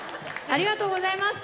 ありがとうございます。